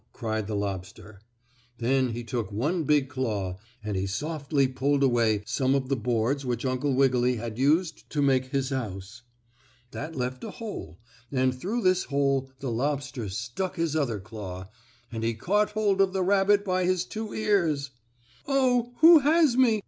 cried the lobster. Then he took one big claw and he softly pulled away some of the boards which Uncle Wiggily had used to make his house. That left a hole, and through this hole the lobster stuck his other claw, and he caught hold of the rabbit by his two ears. "Oh! who has me?